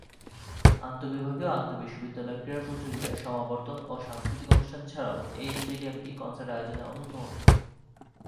আন্তবিভাগীয় ও আন্তঃবিশ্ববিদ্যালয় ক্রীড়া প্রতিযোগিতা, সমাবর্তন ও সাংস্কৃতিক অনুষ্ঠান ছাড়াও এই স্টেডিয়ামটি কনসার্ট আয়োজনের অন্যতম ভেন্যু।